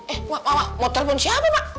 eh mak mau telepon siapa mak